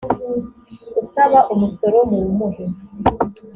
usaba umusoro muwumuhe